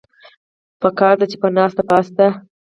پکار ده چې پۀ ناسته پاسته